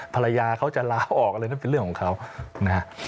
ภรรยาเขาจะลาออกอะไรนั่นเป็นเรื่องของเขานะฮะ